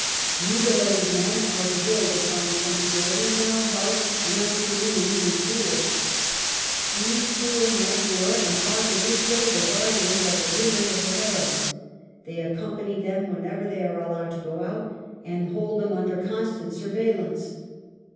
Mutilated men are devoid of fine sensibilities, and are harsh and unfeeling and even cruel. These cruel men were, and are to this day, the guardians of the women of the Harems. They ac company them whenever they are allowed to go out, and hold them under constant surveillance.